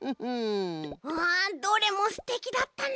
ああどれもすてきだったね。